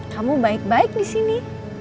kamu baik baik disini